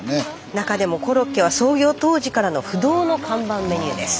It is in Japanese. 中でもコロッケは創業当時からの不動の看板メニューです。